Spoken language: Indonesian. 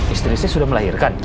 istri saya sudah melahirkan